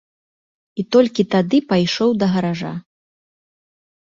І толькі тады пайшоў да гаража.